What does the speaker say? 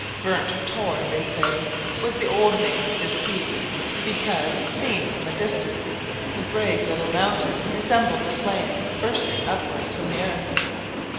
Burnt Tor, they say, was the old name of this peak, because, seen from a distance, the brave little mountain resembles a flame bursting upwards from the earth.